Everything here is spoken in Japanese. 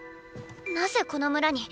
なぜこの村に？